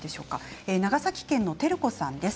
長崎県の方からです。